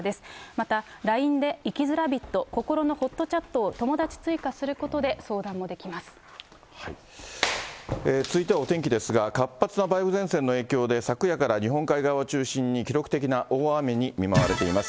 また、ＬＩＮＥで生きづらびっと、こころのほっとチャットを友達追加す続いてはお天気ですが、活発な梅雨前線の影響で、昨夜から日本海側を中心に記録的な大雨に見舞われています。